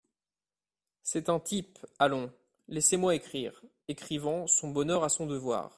C’est un type ! allons ! laissez-moi écrire… écrivant "son bonheur à son devoir"…